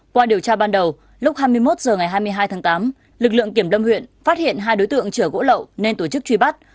qua điều tra ban đầu lúc hai mươi một h ngày hai mươi hai tháng tám lực lượng kiểm lâm huyện phát hiện hai đối tượng chở gỗ lậu nên tổ chức truy bắt